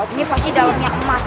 ini pasti daunnya emas